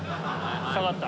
下がった。